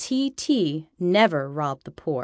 T. never robbed the poor.